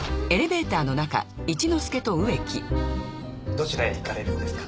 どちらへ行かれるんですか？